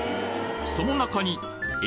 その中にえ？